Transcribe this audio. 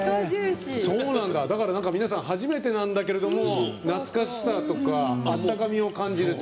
皆さん初めてなんだけれども懐かしさとかあったかみを感じると。